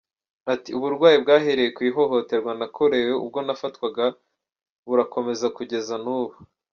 Ati " Uburwayi bwahereye ku ihohoterwa nakorewe ubwo nafatwaga burakomeza kugeza n’ubu.